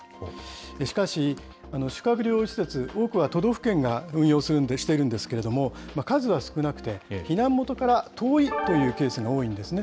しかし、宿泊療養施設、多くは都道府県が運用しているんですけれども、数は少なくて避難元から遠いというケースが多いんですね。